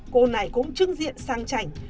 cô này cũng trưng diện sang chảnh